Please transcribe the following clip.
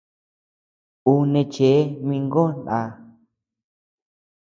Ú neʼe cheʼe mïngó náa.